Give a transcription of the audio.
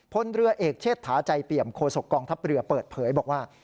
พลเรือเอกเชษฐาใจเปี่ยมโคศกองทัพเรือเปิดเผยบอกว่า